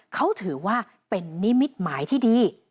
เขาถือว่าเป็นนิมิตหมายที่ดี